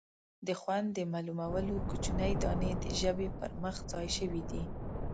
د خوند د معلومولو کوچنۍ دانې د ژبې پر مخ ځای شوي دي.